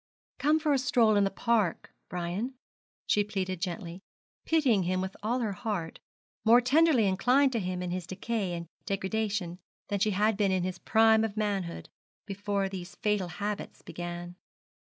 'Come for a stroll in the park, Brian,' she pleaded gently, pitying him with all her heart, more tenderly inclined to him in his decay and degradation than she had been in his prime of manhood, before these fatal habits began.